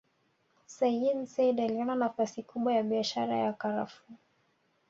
Sayyid Said aliona nafasi kubwa ya biashara ya karafuu